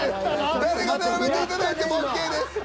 誰が並べていただいてもＯＫです。